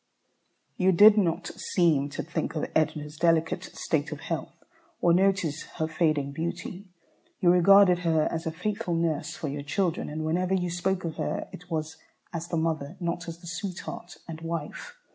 You did not seem to think of Edna's delicate state of health, or notice her fading beauty. You regarded her as a faithful nurse for your children, and whenever you spoke of her it was as the mother, not as the sweetheart and wife.